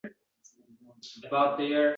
Mushaklar funksiyasini yaxshilaydi va tiklaydi;